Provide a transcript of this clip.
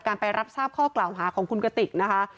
ไปรับทราบข้อกล่าวหาของคุณกติกนะคะ